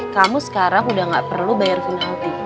kamu sekarang udah gak perlu bayar penalti